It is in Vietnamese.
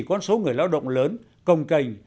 con số người lao động lớn công cành